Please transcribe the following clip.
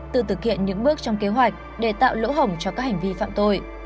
tự thực hiện những bước trong kế hoạch để tạo lỗ hổng cho các hành vi phạm tội